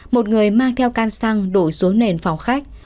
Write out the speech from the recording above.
một người mang theo can xăng đổ xuống nền phòng khách